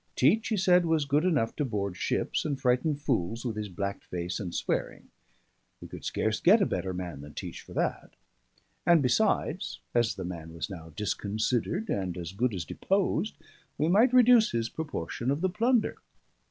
Teach, he said, was good enough to board ships and frighten fools with his blacked face and swearing; we could scarce get a better man than Teach for that; and besides, as the man was now disconsidered, and as good as deposed, we might reduce his proportion of the plunder.